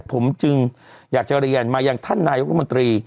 ผมจึงอยากจะเรียนมายังท่านนายกรมนตรี